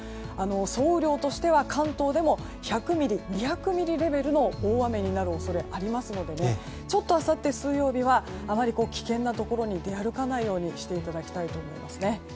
総雨量としては関東でも１００ミリ、２００ミリレベルの大雨になる恐れがありますのであさっての水曜日はあまり危険なところに出歩かないようにしていただきたいと思います。